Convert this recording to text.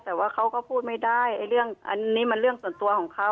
แต่ว่าเขาก็พูดไม่ได้เรื่องอันนี้มันเรื่องส่วนตัวของเขา